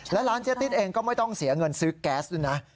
และร้านเจ๊ติ๊ดเองก็ไม่ต้องเสียเงินซื้อแก๊สด้วยนะ